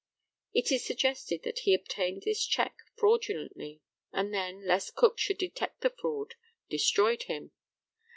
It is suggested that he obtained this cheque fraudulently, and then, lest Cook should detect the fraud, destroyed him.